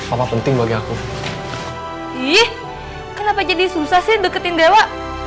apa penting bagi aku ih kenapa jadi susah sih deketin dewa